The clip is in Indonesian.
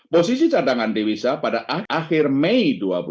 posisi cadangan dewisa pada akhir mei dua ribu dua puluh